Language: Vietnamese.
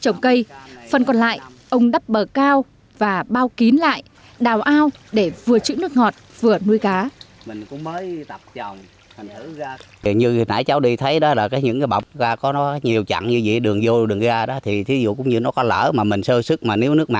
trồng cây phần còn lại ông đắp bờ cao và bao kín lại đào ao để vừa chữ nước ngọt vừa nuôi cá